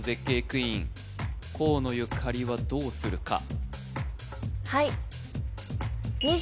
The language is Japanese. クイーン河野ゆかりはどうするか？